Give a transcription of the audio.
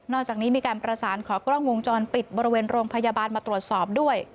จากนี้มีการประสานขอกล้องวงจรปิดบริเวณโรงพยาบาลมาตรวจสอบด้วย